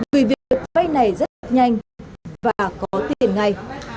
vì việc vay này rất nhanh và có tiền ngay